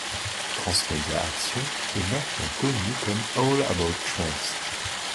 Trans Media Action est maintenant connue comme All About Trans.